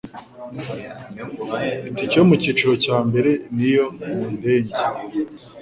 Itike yo mucyiciro cya mbere niyo mundenge